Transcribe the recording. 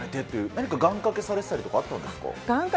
何か願掛けされてたりとかはあったんですか。